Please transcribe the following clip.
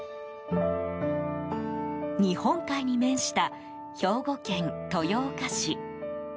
日本海に面した兵庫県豊岡市。